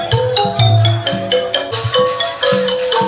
สวัสดีทุกคน